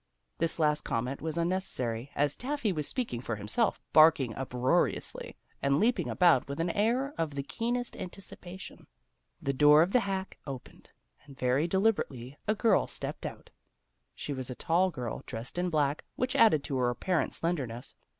This last comment was unnecessary, as Taffy was speaking for himself, barking uproariously, and leaping about with an air of the keenest anticipation. The door of the hack opened, and very de liberately a girl stepped out. She was a tall girl, dressed in black, which added to her ap parent slenderness.